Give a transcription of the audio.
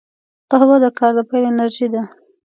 قهوه د کار د پیل انرژي ده